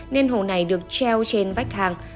nên hồ này được treo trên vách hang